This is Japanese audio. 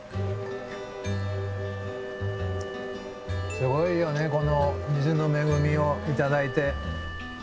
すごいよねこの水の恵みを頂いて。